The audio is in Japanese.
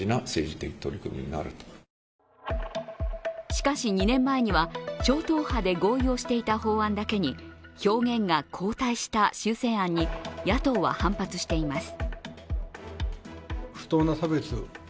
しかし２年前には超党派で合意をしていた法案だけに、表現が後退した修正案に野党は反発しています。